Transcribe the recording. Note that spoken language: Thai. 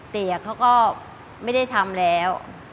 แต่เขาก็ไม่ได้ทำแล้ว